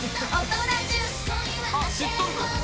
あっ知っとるかも。